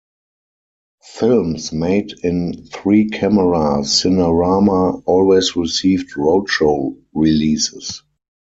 Films made in three-camera Cinerama always received roadshow releases.